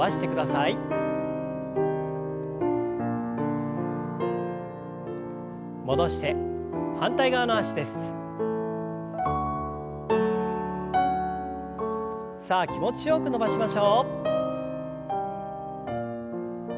さあ気持ちよく伸ばしましょう。